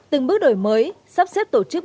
từng bước đổi mới sắp xếp tổ chức